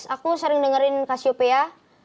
aku sering dengerin casio pia